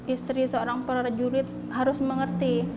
istri seorang prajurit harus mengerti